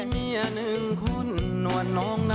มาเลย